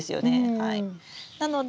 はい。